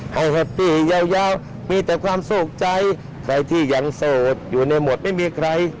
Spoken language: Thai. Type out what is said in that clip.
แฮปปี้ยาวมีแต่ความสุขใจใครที่ยังโสดอยู่ในหมวดไม่มีใคร